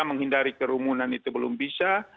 menghindari kerumunan itu belum bisa